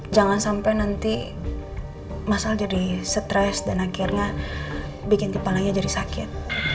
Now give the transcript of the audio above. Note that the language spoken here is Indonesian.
jangan sampai nanti mas al jadi stress dan akhirnya bikin kepalanya jadi sakit